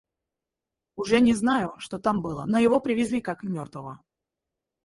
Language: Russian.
Уж я не знаю, что там было, но его привезли как мертвого.